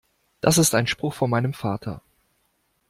Das ist ein Spruch von meinem Vater.